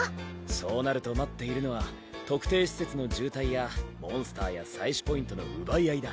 そうなると待っているのは特定施設の渋滞やモンスターや採取ポイントの奪い合いだ。